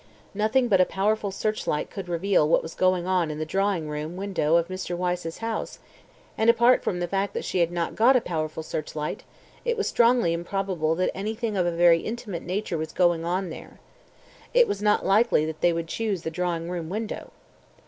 Nothing but a powerful searchlight could reveal what was going on in the drawing room window of Mr. Wyse's house, and apart from the fact that she had not got a powerful searchlight, it was strongly improbable that anything of a very intimate nature was going on there ... it was not likely that they would choose the drawing room window.